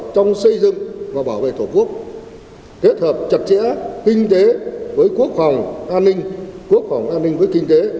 trong xây dựng và bảo vệ thổ quốc kết hợp chặt chẽ kinh tế với quốc phòng an ninh quốc phòng an ninh với kinh tế